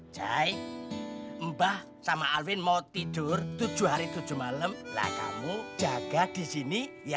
jalan jalan men